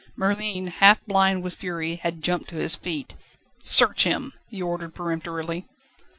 Merlin, half blind with fury, had jumped to his feet. "Search him!" he ordered peremptorily.